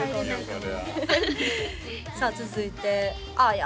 それはさあ続いてあーや